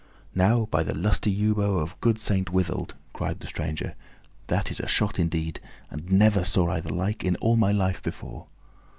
"Now by the lusty yew bow of good Saint Withold," cried the stranger, "that is a shot indeed, and never saw I the like in all my life before!